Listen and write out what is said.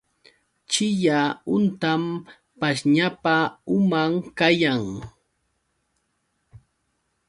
Chiya huntam pashñapa uman kayan.